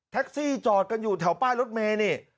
แท็กซี่จอดกันอยู่แถวป้ายรถแมงนี่